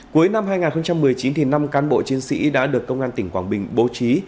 cuối năm hai nghìn một mươi chín năm cán bộ chiến sĩ đã được công an tỉnh quảng bình bố trí